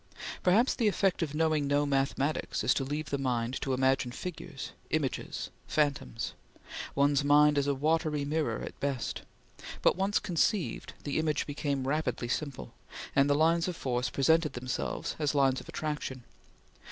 Perhaps the effect of knowing no mathematics is to leave the mind to imagine figures images phantoms; one's mind is a watery mirror at best; but, once conceived, the image became rapidly simple, and the lines of force presented themselves as lines of attraction.